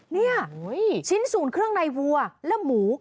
นี่ชิ้นส่วนเครื่องในวัวและหมู